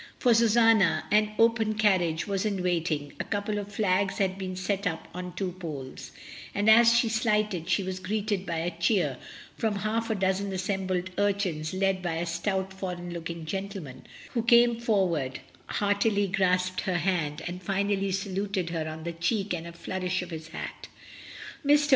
For Susanna an open carriage was in wait ing, a couple of flags had been set up on two poles, and as she alighted she was greeted by a cheer from half a dozen assembled urchins led by a stout foreign looking gentleman, who came forward, heart ily grasped her hand, and finally saluted her on the cheek with a flourish of his hat. Mr.